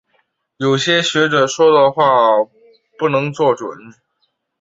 有些学者说的话不能做准。